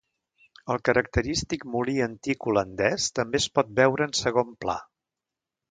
El característic molí antic holandès també es pot veure en segon pla.